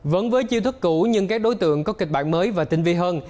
vẫn với chiêu thức cũ nhưng các đối tượng có kịch bản mới và tinh vi hơn